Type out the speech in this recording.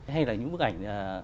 hay là những bức ảnh